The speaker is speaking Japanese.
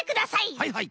はいはい。